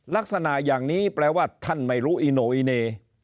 ลักษณะอย่างนี้แปลว่าท่านไม่รู้อีโนอิเน